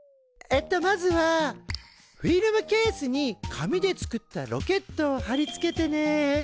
えっとまずはフィルムケースに紙で作ったロケットを貼り付けてね。